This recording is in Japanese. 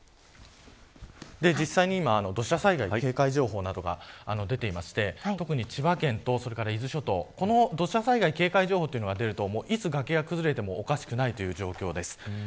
土砂災害警戒情報などが今、出ていまして特に千葉県と伊豆諸島土砂災害警戒情報が出るといつ崖が崩れてもおかしくないという状況です。